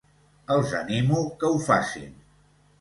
Els animo que ho facin.